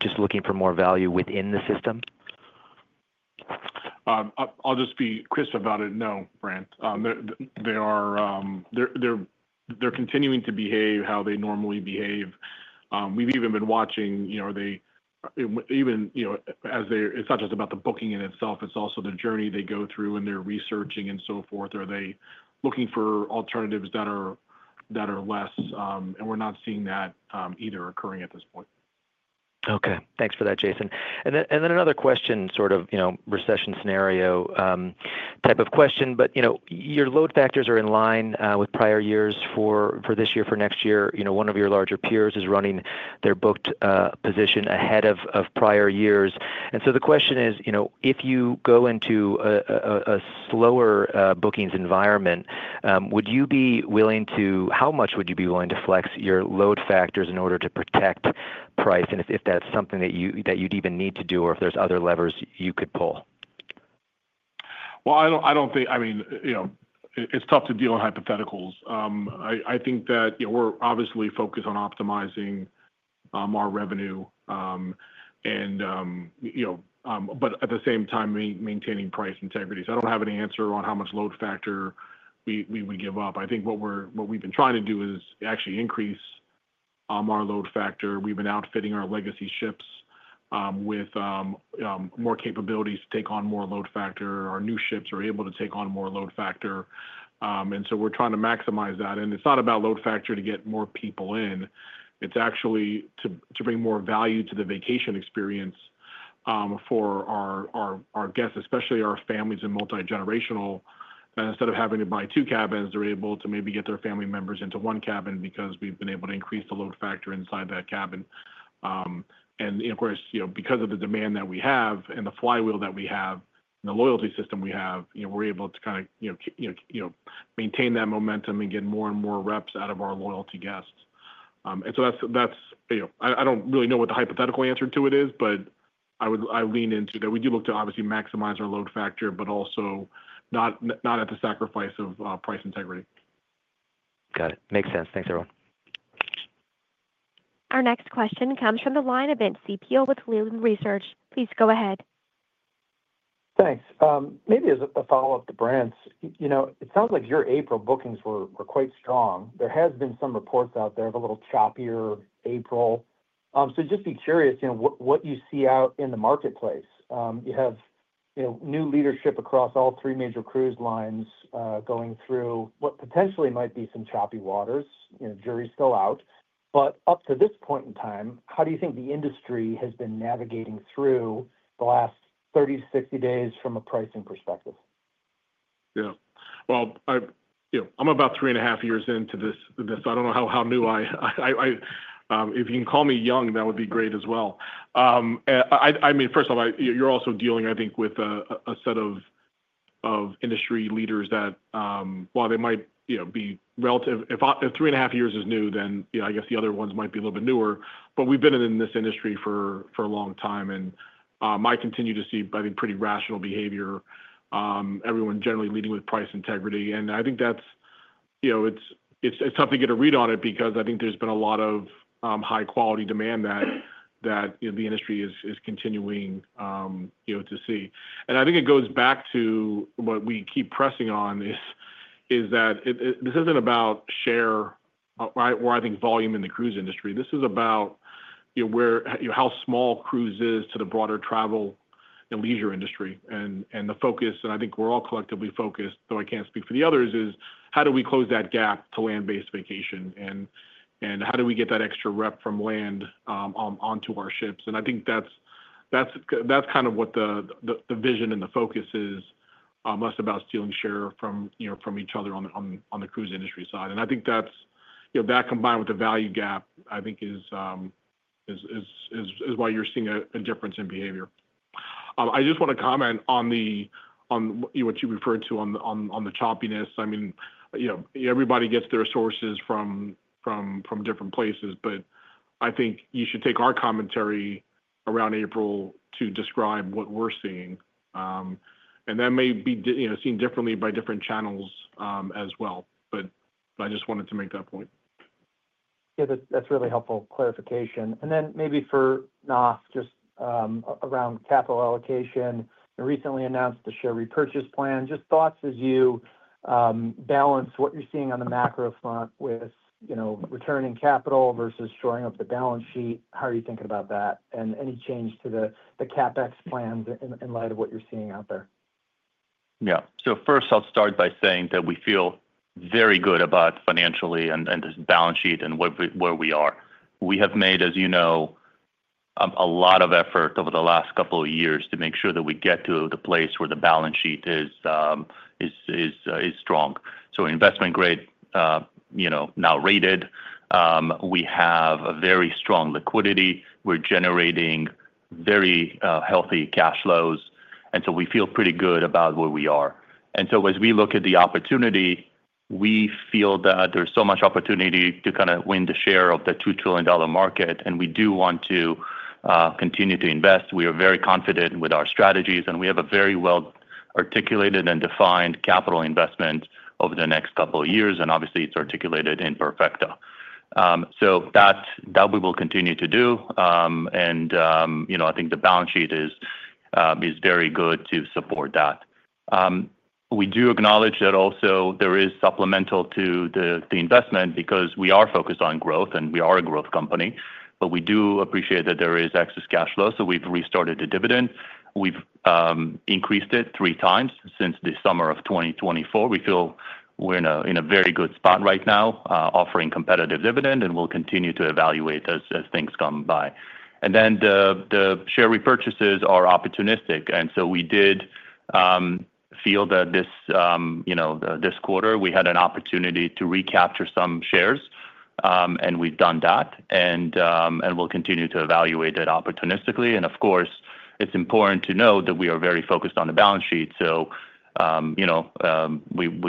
just looking for more value within the system? I'll just be crisp about it. No, Brandt. They're continuing to behave how they normally behave. We've even been watching even as it's not just about the booking in itself. It's also the journey they go through and their researching and so forth. Are they looking for alternatives that are less? We're not seeing that either occurring at this point. Okay. Thanks for that, Jason. Another question, sort of recession scenario type of question, but your load factors are in line with prior years for this year, for next year. One of your larger peers is running their booked position ahead of prior years. The question is, if you go into a slower bookings environment, would you be willing to how much would you be willing to flex your load factors in order to protect price? If that's something that you'd even need to do or if there's other levers you could pull. I don't think I mean, it's tough to deal with hypotheticals. I think that we're obviously focused on optimizing our revenue, but at the same time, maintaining price integrity. I don't have any answer on how much load factor we would give up. I think what we've been trying to do is actually increase our load factor. We've been outfitting our legacy ships with more capabilities to take on more load factor. Our new ships are able to take on more load factor. We're trying to maximize that. It's not about load factor to get more people in. It's actually to bring more value to the vacation experience for our guests, especially our families and multi-generational. Instead of having to buy two cabins, they're able to maybe get their family members into one cabin because we've been able to increase the load factor inside that cabin. Of course, because of the demand that we have and the flywheel that we have and the loyalty system we have, we're able to kind of maintain that momentum and get more and more reps out of our loyalty guests. That's I don't really know what the hypothetical answer to it is, but I lean into that. We do look to obviously maximize our load factor, but also not at the sacrifice of price integrity. Got it. Makes sense. Thanks, everyone. Our next question comes from the line of Vince Ciepiel with Cleveland Research. Please go ahead. Thanks. Maybe as a follow-up to Brant, it sounds like your April bookings were quite strong. There have been some reports out there of a little choppier April. Just be curious what you see out in the marketplace. You have new leadership across all three major cruise lines going through what potentially might be some choppy waters. Jury's still out. Up to this point in time, how do you think the industry has been navigating through the last 30, 60 days from a pricing perspective? Yeah. I'm about three and a half years into this. I do not know how new I am. If you can call me young, that would be great as well. First of all, you are also dealing, I think, with a set of industry leaders that, while they might be relative, if three and a half years is new, then I guess the other ones might be a little bit newer. We've been in this industry for a long time, and I continue to see, I think, pretty rational behavior. Everyone generally leading with price integrity. I think it's tough to get a read on it because I think there's been a lot of high-quality demand that the industry is continuing to see. I think it goes back to what we keep pressing on is that this isn't about share or, I think, volume in the cruise industry. This is about how small cruise is to the broader travel and leisure industry. The focus, and I think we're all collectively focused, though I can't speak for the others, is how do we close that gap to land-based vacation and how do we get that extra rep from land onto our ships? I think that's kind of what the vision and the focus is, most about stealing share from each other on the cruise industry side. I think that combined with the value gap, I think, is why you're seeing a difference in behavior. I just want to comment on what you referred to on the choppiness. I mean, everybody gets their sources from different places, but I think you should take our commentary around April to describe what we're seeing. That may be seen differently by different channels as well. I just wanted to make that point. Yeah. That's really helpful clarification. Maybe for Naf, just around capital allocation, recently announced the share repurchase plan. Just thoughts as you balance what you're seeing on the macro front with returning capital versus shoring up the balance sheet. How are you thinking about that? Any change to the CapEx plans in light of what you're seeing out there? Yeah. First, I'll start by saying that we feel very good about financially and this balance sheet and where we are. We have made, as you know, a lot of effort over the last couple of years to make sure that we get to the place where the balance sheet is strong. Investment-grade now rated. We have a very strong liquidity. We're generating very healthy cash flows. We feel pretty good about where we are. As we look at the opportunity, we feel that there's so much opportunity to kind of win the share of the $2 trillion market, and we do want to continue to invest. We are very confident with our strategies, and we have a very well-articulated and defined capital investment over the next couple of years. Obviously, it is articulated in Perfecta. That we will continue to do. I think the balance sheet is very good to support that. We do acknowledge that also there is supplemental to the investment because we are focused on growth, and we are a growth company. We do appreciate that there is excess cash flow. We have restarted the dividend. We have increased it three times since the summer of 2024. We feel we are in a very good spot right now, offering competitive dividend, and we will continue to evaluate as things come by. The share repurchases are opportunistic. We did feel that this quarter, we had an opportunity to recapture some shares, and we have done that. We'll continue to evaluate it opportunistically. Of course, it's important to know that we are very focused on the balance sheet. We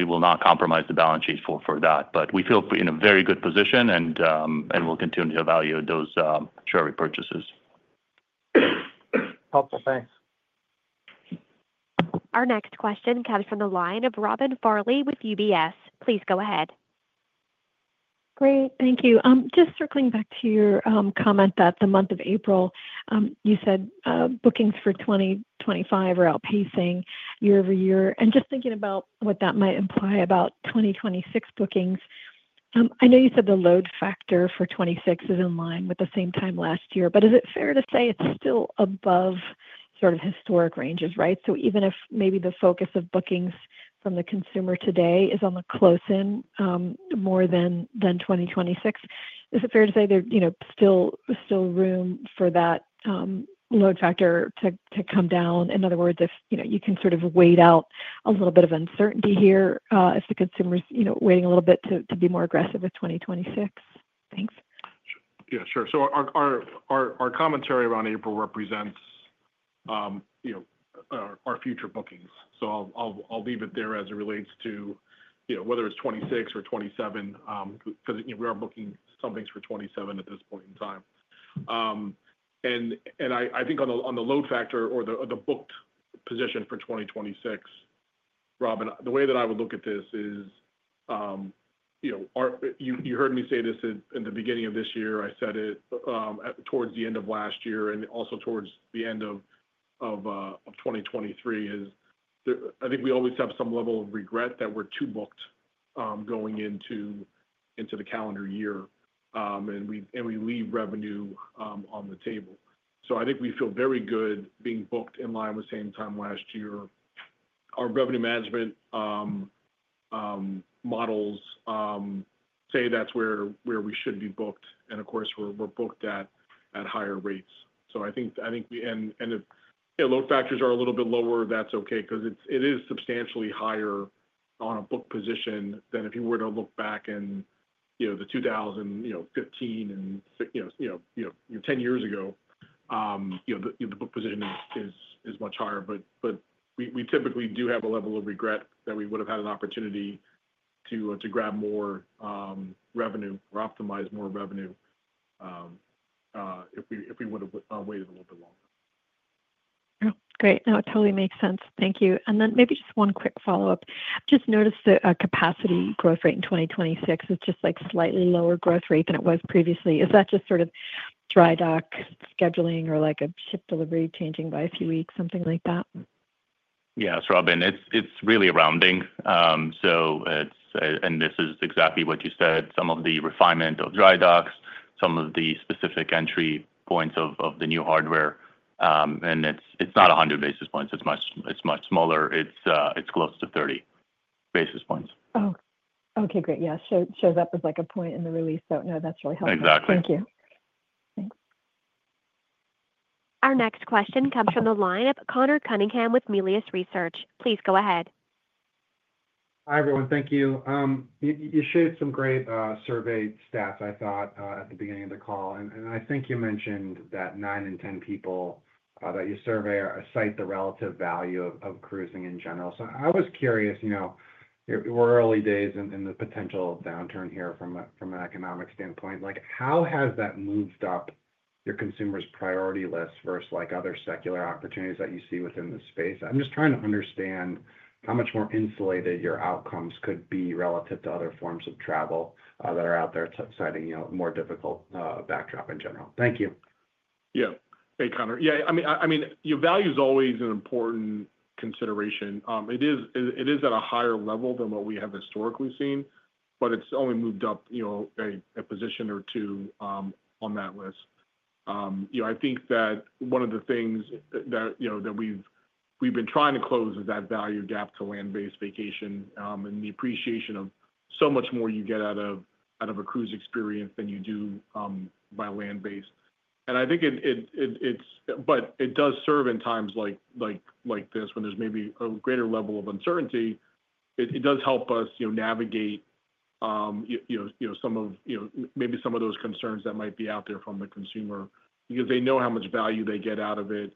will not compromise the balance sheet for that. We feel in a very good position, and we'll continue to evaluate those share repurchases. Helpful. Thanks. Our next question comes from the line of Robin Farley with UBS. Please go ahead. Great. Thank you. Just circling back to your comment that the month of April, you said bookings for 2025 are outpacing year-over-year. Just thinking about what that might imply about 2026 bookings, I know you said the load factor for 2026 is in line with the same time last year, but is it fair to say it's still above sort of historic ranges, right? Even if maybe the focus of bookings from the consumer today is on the close-in more than 2026, is it fair to say there's still room for that load factor to come down? In other words, if you can sort of wait out a little bit of uncertainty here as the consumer's waiting a little bit to be more aggressive with 2026. Thanks. Yeah. Sure. Our commentary around April represents our future bookings. I'll leave it there as it relates to whether it's 2026 or 2027 because we are booking some things for 2027 at this point in time. I think on the load factor or the booked position for 2026, Robin, the way that I would look at this is you heard me say this in the beginning of this year. I said it towards the end of last year and also towards the end of 2023 is I think we always have some level of regret that we're too booked going into the calendar year, and we leave revenue on the table. I think we feel very good being booked in line with same time last year. Our revenue management models say that's where we should be booked. Of course, we're booked at higher rates. I think if load factors are a little bit lower, that's okay because it is substantially higher on a book position than if you were to look back in 2015 and 10 years ago. The book position is much higher. We typically do have a level of regret that we would have had an opportunity to grab more revenue or optimize more revenue if we would have waited a little bit longer. Yeah. Great. That would totally make sense. Thank you. Maybe just one quick follow-up. I just noticed the capacity growth rate in 2026 is just slightly lower growth rate than it was previously. Is that just sort of dry dock scheduling or a ship delivery changing by a few weeks, something like that? Yeah. Robin, it's really a rounding. This is exactly what you said. Some of the refinement of dry docks, some of the specific entry points of the new hardware. It's not 100 basis points. It's much smaller. It's close to 30 basis points. Oh. Okay. Great. Yeah. It shows up as a point in the release. No, that's really helpful. Exactly. Thank you. Thanks. Our next question comes from the line of Conor Cunningham with Melius Research. Please go ahead. Hi, everyone. Thank you. You shared some great survey stats I thought at the beginning of the call. I think you mentioned that 9 in 10 people that you survey cite the relative value of cruising in general. I was curious. We're early days in the potential downturn here from an economic standpoint. How has that moved up your consumer's priority list versus other secular opportunities that you see within the space? I'm just trying to understand how much more insulated your outcomes could be relative to other forms of travel that are out there citing more difficult backdrop in general. Thank you. Yeah. Hey, Conor. Yeah. I mean, your value is always an important consideration. It is at a higher level than what we have historically seen, but it's only moved up a position or two on that list. I think that one of the things that we've been trying to close is that value gap to land-based vacation and the appreciation of so much more you get out of a cruise experience than you do by land-based. I think it does serve in times like this when there's maybe a greater level of uncertainty. It does help us navigate some of those concerns that might be out there from the consumer because they know how much value they get out of it.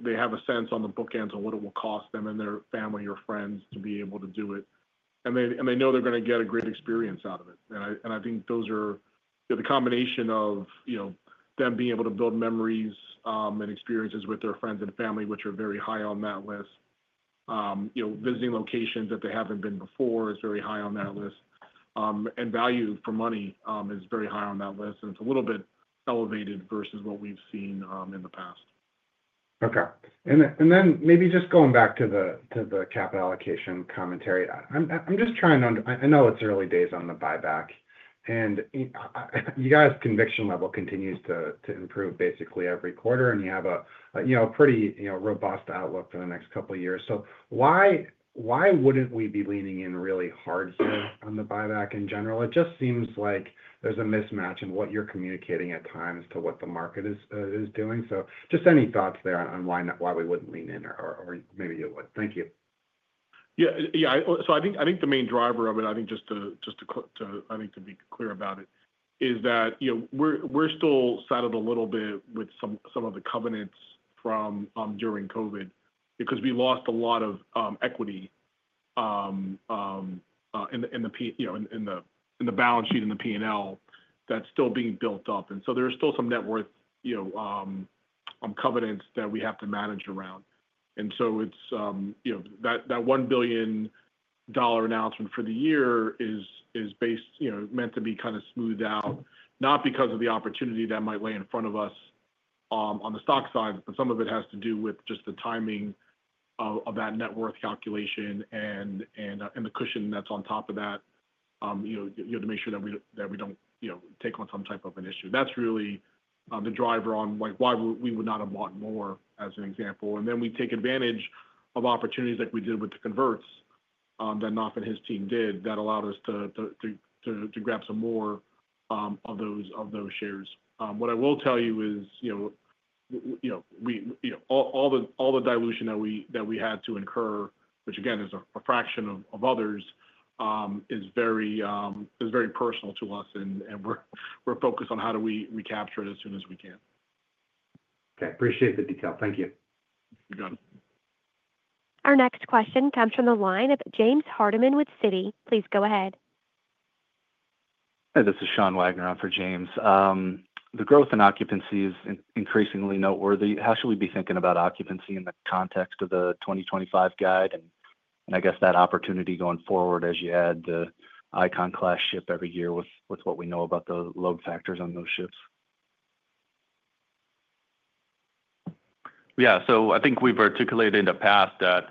They have a sense on the bookends of what it will cost them and their family or friends to be able to do it. They know they're going to get a great experience out of it. I think those are the combination of them being able to build memories and experiences with their friends and family, which are very high on that list. Visiting locations that they haven't been before is very high on that list. Value for money is very high on that list. It's a little bit elevated versus what we've seen in the past. Okay. Maybe just going back to the capital allocation commentary, I'm just trying to, I know it's early days on the buyback. You guys' conviction level continues to improve basically every quarter, and you have a pretty robust outlook for the next couple of years. Why wouldn't we be leaning in really hard here on the buyback in general? It just seems like there's a mismatch in what you're communicating at times to what the market is doing. So just any thoughts there on why we wouldn't lean in or maybe you would? Thank you. Yeah. Yeah. I think the main driver of it, I think just to be clear about it, is that we're still saddled a little bit with some of the covenants from during COVID because we lost a lot of equity in the balance sheet and the P&L that's still being built up. There are still some net worth covenants that we have to manage around. That $1 billion announcement for the year is meant to be kind of smoothed out, not because of the opportunity that might lay in front of us on the stock side, but some of it has to do with just the timing of that net worth calculation and the cushion that's on top of that to make sure that we do not take on some type of an issue. That is really the driver on why we would not have bought more, as an example. We take advantage of opportunities like we did with the converts that Naf and his team did that allowed us to grab some more of those shares. What I will tell you is all the dilution that we had to incur, which again is a fraction of others, is very personal to us, and we're focused on how do we recapture it as soon as we can. Okay. Appreciate the detail. Thank you. You're good. Our next question comes from the line of James Hardiman with Citigroup. Please go ahead. Hey, this is Sean Wagner for James. The growth in occupancy is increasingly noteworthy. How should we be thinking about occupancy in the context of the 2025 guide? I guess that opportunity going forward as you add the Icon Class ship every year with what we know about the load factors on those ships. Yeah. I think we've articulated in the past that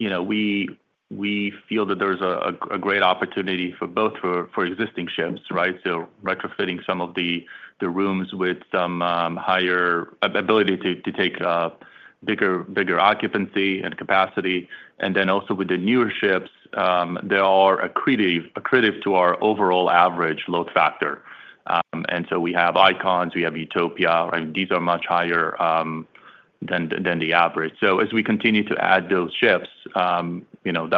we feel that there's a great opportunity for both for existing ships, right? Retrofitting some of the rooms with some higher ability to take bigger occupancy and capacity. Also with the newer ships, they are accredited to our overall average load factor. We have Icon, we have Utopia. These are much higher than the average. As we continue to add those ships, that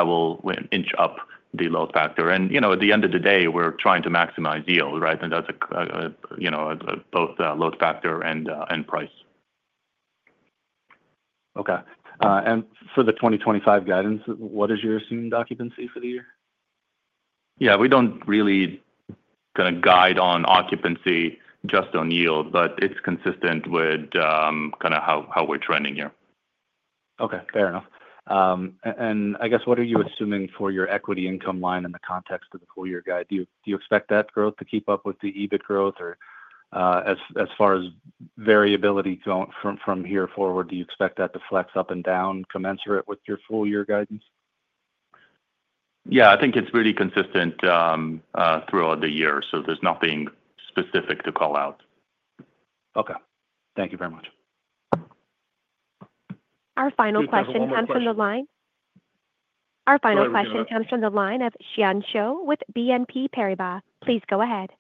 will inch up the load factor. At the end of the day, we're trying to maximize yield, right? That's both load factor and price. Okay. For the 2025 guidance, what is your assumed occupancy for the year? Yeah. We don't really kind of guide on occupancy, just on yield, but it's consistent with kind of how we're trending here. Okay. Fair enough. I guess what are you assuming for your equity income line in the context of the full-year guide? Do you expect that growth to keep up with the EBIT growth? Or as far as variability from here forward, do you expect that to flex up and down commensurate with your full-year guidance? Yeah. I think it's pretty consistent throughout the year. There is nothing specific to call out. Okay. Thank you very much. Our final question comes from the line of Xian Siew with BNP Paribas. Please go ahead.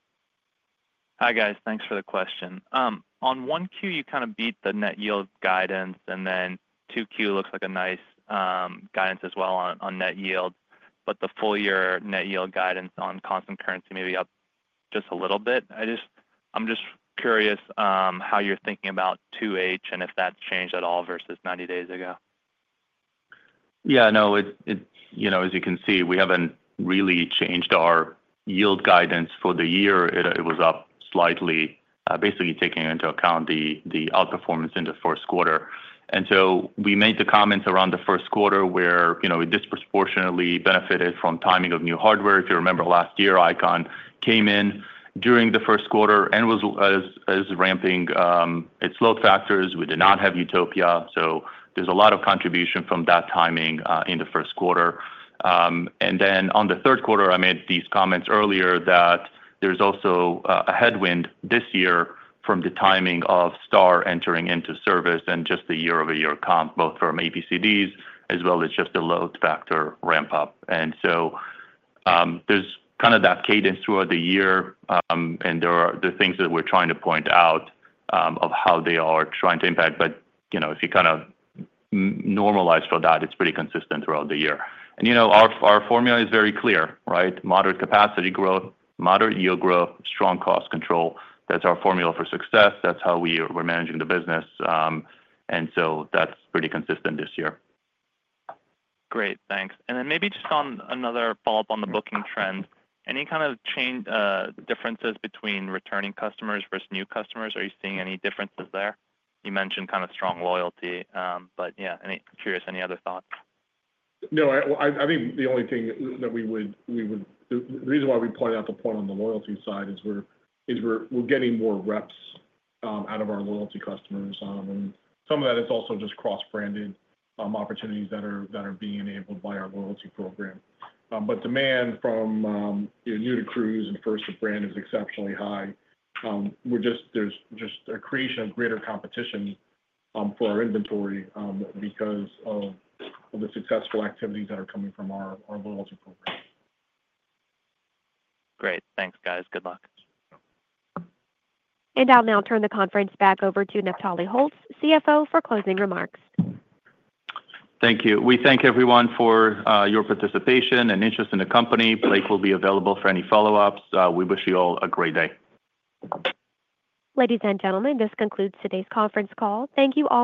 Hi, guys. Thanks for the question. On 1Q, you kind of beat the net yield guidance. 2Q looks like a nice guidance as well on net yield. The full-year net yield guidance on constant currency may be up just a little bit. I'm just curious how you're thinking about 2H and if that's changed at all versus 90 days ago. Yeah. No, as you can see, we haven't really changed our yield guidance for the year. It was up slightly, basically taking into account the outperformance in the Q1. We made the comments around the Q1 where we disproportionately benefited from timing of new hardware. If you remember, last year, Icon came in during the Q1 and was ramping its load factors. We did not have Utopia. There is a lot of contribution from that timing in the Q1. On the Q3, I made these comments earlier that there is also a headwind this year from the timing of Star entering into service and just the year-over-year comp, both from APCDs as well as just the load factor ramp-up. There is kind of that cadence throughout the year. There are the things that we are trying to point out of how they are trying to impact. If you kind of normalize for that, it's pretty consistent throughout the year. Our formula is very clear, right? Moderate capacity growth, moderate yield growth, strong cost control. That's our formula for success. That's how we're managing the business. That's pretty consistent this year. Great. Thanks. Maybe just on another follow-up on the booking trend, any kind of differences between returning customers versus new customers? Are you seeing any differences there? You mentioned kind of strong loyalty. Yeah, curious, any other thoughts? No, I think the only thing that we would, the reason why we point out the point on the loyalty side is we're getting more reps out of our loyalty customers. Some of that is also just cross-branded opportunities that are being enabled by our loyalty program. Demand from new-to-cruise and first-to-brand is exceptionally high. There's just a creation of greater competition for our inventory because of the successful activities that are coming from our loyalty program. Great. Thanks, guys. Good luck. I'll now turn the conference back over to Naftali Holtz, CFO, for closing remarks. Thank you. We thank everyone for your participation and interest in the company. Blake will be available for any follow-ups. We wish you all a great day. Ladies and gentlemen, this concludes today's conference call. Thank you all.